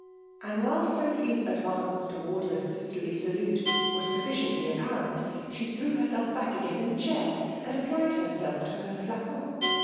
And, while Sophy'tf advance towards a sisterly salute was suffici ently* apparent, she threw herself back again i^thd chair; and applied herself to her flacon.